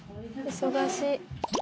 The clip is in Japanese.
忙しい。